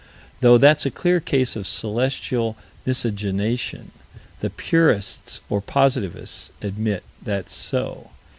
Though that's a clear case of celestial miscegenation, the purists, or positivists, admit that's so.